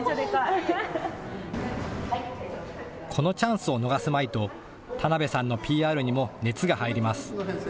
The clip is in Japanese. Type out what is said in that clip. このチャンスを逃すまいと田鍋さんのＰＲにも熱が入ります。